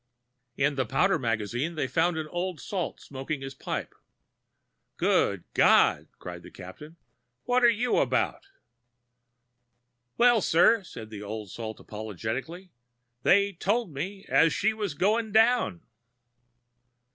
In the powder magazine they found an old salt smoking his pipe. "Good God," cried the Captain, "what are you about?" "Well, sir," said the old salt, apologetically, "they told me as she were going down."